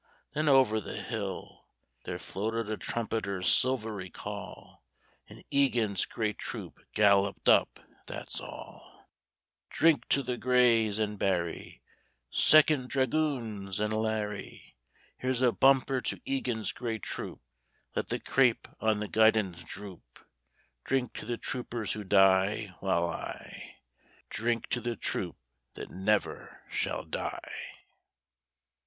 Then over the hill There floated a trumpeter's silvery call, An' Egan's Grey Troop galloped up, that's all. Drink to the Greys, an' Barry! Second Dragoons, an' Larry! Here's a bumper to Egan's Grey Troop! Let the crape on the guidons droop; Drink to the troopers who die, while I Drink to the troop that never shall die!